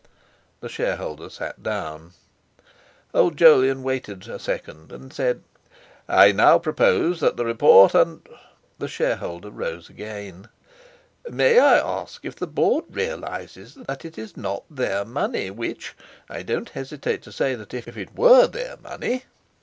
The shareholder sat down. Old Jolyon waited a second and said: "I now propose that the report and—" The shareholder rose again: "May I ask if the Board realizes that it is not their money which—I don't hesitate to say that if it were their money...."